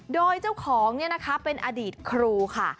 โดยเจ้าของเนี่ยนะคะเป็นอดีตครูค่ะ